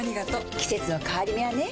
季節の変わり目はねうん。